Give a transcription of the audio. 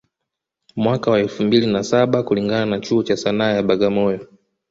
Mwaka wa elfu mbili na saba kulingana na chuo cha Sanaa ya Bagamoyo